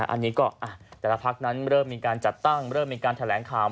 อันนี้ก็แต่ละพักนั้นเริ่มมีการจัดตั้งเริ่มมีการแถลงข่าว